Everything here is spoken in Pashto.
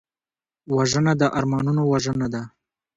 وژنه د ارمانونو وژنه ده